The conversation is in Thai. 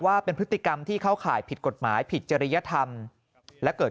ว่าเป็นพฤติกรรมที่เข้าข่ายผิดกฎหมายผิดจริยธรรมและเกิด